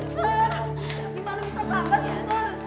gimana bisa sampai tuntun